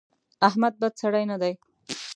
احمد بد سړی نه دی.